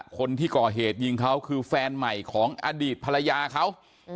คนที่ก่อเหตุยิงเขาคือแฟนใหม่ของอดีตภรรยาเขา